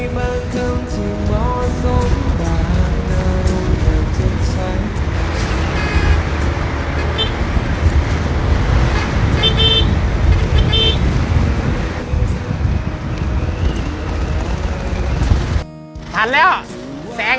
อย่ากลับเร็วสิรอด้วยรอก่อนรอก่อน